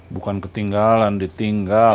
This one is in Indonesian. bukan ketinggalan ditinggal